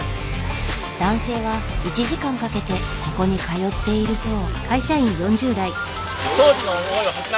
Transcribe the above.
男性は１時間かけてここに通っているそう。